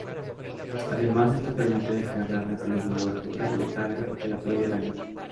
Además, esto permite descargar la columna vertebral de carga que la puede dañar.